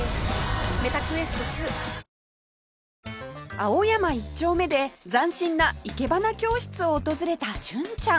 青山一丁目で斬新ないけばな教室を訪れた純ちゃん